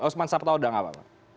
osman sabtaudang apa